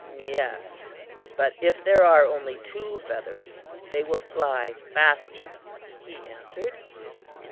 "Yes, but if there are only two feathers, they will fly faster," he answered.